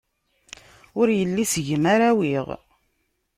Ur yelli seg-m ara awiɣ.